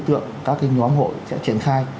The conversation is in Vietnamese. tượng các cái nhóm hội sẽ triển khai